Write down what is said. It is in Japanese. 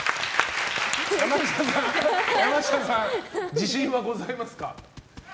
山下さん、自信はございますか。